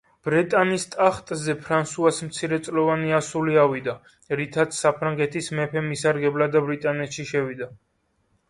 ბრეტანის ტახტზე ფრანსუას მცირეწლოვანი ასული ავიდა, რითაც საფრანგეთის მეფემ ისარგებლა და ბრეტანში შევიდა.